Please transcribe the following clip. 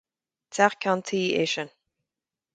Teach ceann tuí é sin.